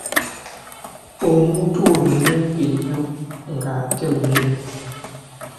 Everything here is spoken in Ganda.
Omuntu oyo mumpi nnyo ng'ate munene